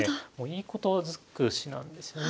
いいこと尽くしなんですよね。